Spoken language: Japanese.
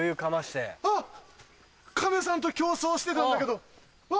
亀さんと競争してたんだけどわ！